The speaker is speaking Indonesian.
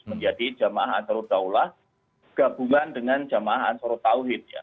menjadi jamaah ansarul daulah gabungan dengan jamaah ansarul tauhid ya